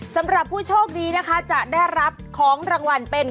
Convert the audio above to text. สำหรับผู้โชคดีนะคะจะได้รับของรางวัลเป็น